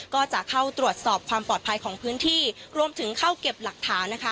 ก็จะเข้าตรวจสอบความปลอดภัยของพื้นที่รวมถึงเข้าเก็บหลักฐานนะคะ